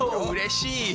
うれしい！